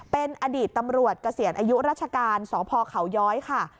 เป็นอดีตตำรวจเกษียณอายุราชการสพเขาย้อยค่ะ